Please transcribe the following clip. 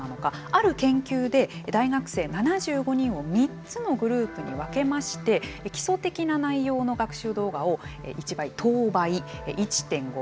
ある研究で大学生７５人を３つのグループに分けまして基礎的な内容の学習動画を１倍等倍１．５倍２倍で見てもらいました。